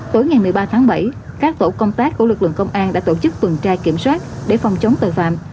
tối ngày một mươi ba tháng bảy các tổ công tác của lực lượng công an đã tổ chức tuần tra kiểm soát để phòng chống tội phạm